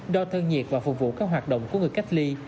đo thân nhiệt và phục vụ các hoạt động của người cách ly